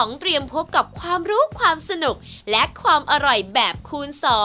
เตรียมพบกับความรู้ความสนุกและความอร่อยแบบคูณ๒